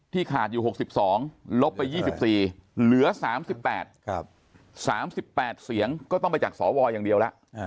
ขาดอยู่๖๒ลบไป๒๔เหลือ๓๘๓๘เสียงก็ต้องไปจากสวอย่างเดียวแล้ว